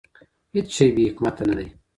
هیڅ شی بې حکمت نه دی.